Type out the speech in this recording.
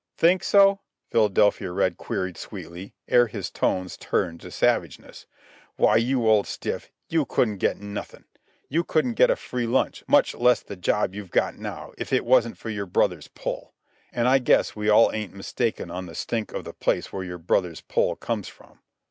"Think so?" Philadelphia Red queried sweetly, ere his tones turned to savageness. "Why, you old stiff, you couldn't get nothin'. You couldn't get a free lunch, much less the job you've got now, if it wasn't for your brother's pull. An' I guess we all ain't mistaken on the stink of the place where your brother's pull comes from."